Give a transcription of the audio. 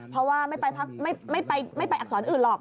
เพราะว่าไม่ไปอักษรอื่นหรอก